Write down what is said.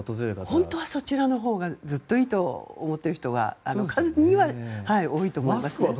本当はそちらのほうがずっと思っている人のほうが数としては多いと思います。